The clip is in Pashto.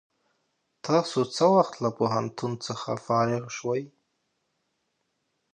تاسو څه وخت له پوهنتون څخه فارغ شوئ؟